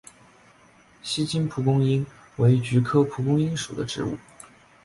锡金蒲公英为菊科蒲公英属的植物。